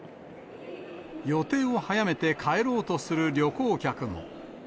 予定を早めて帰ろうとする旅行客も。